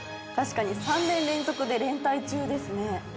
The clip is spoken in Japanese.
確かに３年連続で連対中ですね。